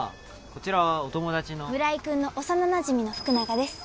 こちらはお友達の村井君の幼なじみの福永です